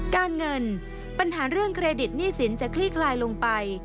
การเงินปัญหาเรื่องเครดิตหนี้สินจะคลี่คลายลงไป